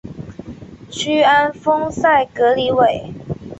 屈安丰塞格里韦。